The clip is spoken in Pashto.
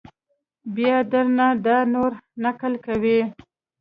بیا در نه دا نور نقل کوي!